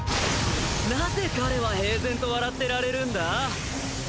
何故彼は平然と笑ってられるんだ？